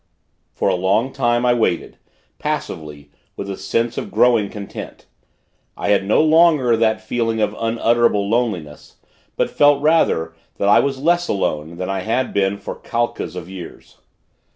For a long time, I waited, passively, with a sense of growing content. I had no longer that feeling of unutterable loneliness; but felt, rather, that I was less alone, than I had been for kalpas of years.